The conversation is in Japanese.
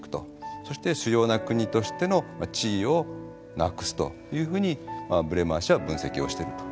そして主要な国としての地位をなくすというふうにブレマー氏は分析をしてるということですね。